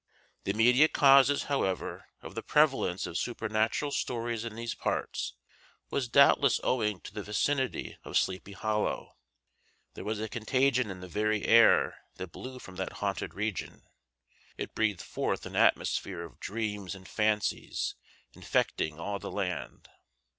The immediate causes however, of the prevalence of supernatural stories in these parts, was doubtless owing to the vicinity of Sleepy Hollow. There was a contagion in the very air that blew from that haunted region; it breathed forth an atmosphere of dreams and fancies infecting all the land.